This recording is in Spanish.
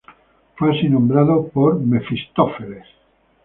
Fue así nombrada por Mefistófeles.